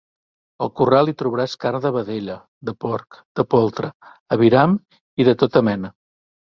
Al corral hi trobaràs carn de vedella, de porc, de poltre, aviram i de tota mena.